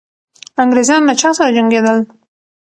انګریزان له چا سره جنګېدل؟